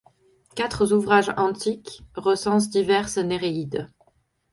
Quatre ouvrages antiques recensent diverses Néréides.